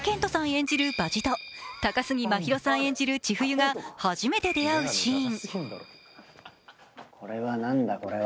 演じる場地と高杉真宙さん演じる千冬が初めて出会うシーン。